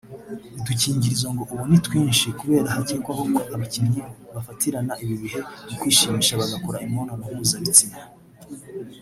udukingirizo ngo ubu ni twinshi kubera hakekwako abakinnyi bafatirana ibi bihe mu kwishimisha bagakora imobonano mpuzabitsina